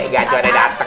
gajuh ada dateng kan